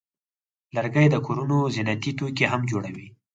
لرګی د کورونو زینتي توکي هم جوړوي.